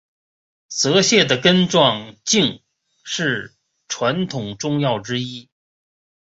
泽泻的根状茎是传统中药之一。